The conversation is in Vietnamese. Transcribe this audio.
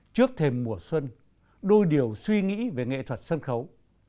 trước thêm mùa xuân đôi điều suy nghĩ về nghệ thuật sân khấu